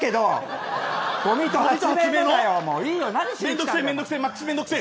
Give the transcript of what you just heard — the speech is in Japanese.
めんどくせーめんどくせーマックスめんどくせー。